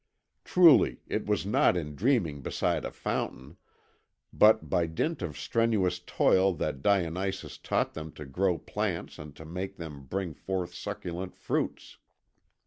"Truly, it was not in dreaming beside a fountain, but by dint of strenuous toil that Dionysus taught them to grow plants and to make them bring forth succulent fruits.